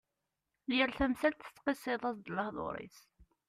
Yal tamsalt tettqisiḍ-as-d lehdur-is.